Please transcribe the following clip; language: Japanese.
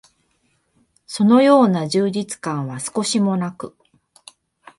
そのような充実感は少しも無く、